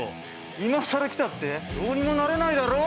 今更来たってどうにもならないだろう。